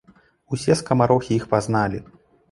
Усе скамарохі іх пазналі.